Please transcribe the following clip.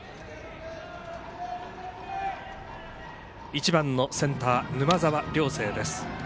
１番のセンター、沼澤梁成です。